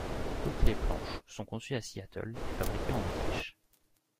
Toutes les planches sont conçues à Seattle et fabriquées en Autriche.